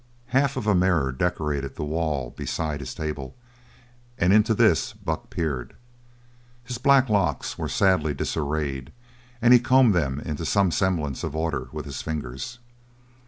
Half of a mirror decorated the wall beside his table, and into this Buck peered. His black locks were sadly disarrayed, and he combed them into some semblance of order with his fingers.